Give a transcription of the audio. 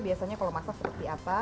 biasanya kalau masak seperti apa